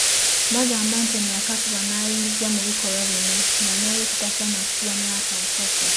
Bagamba nti ono yakakibwa n'ayingizibwa mu bikolwa bino nga n'olwekyo tasaana kusibwa myaka asatu.